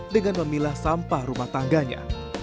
dengan memilah sampah rumah tangganya